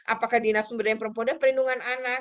apakah dinas pemberdayaan perempuan dan perlindungan anak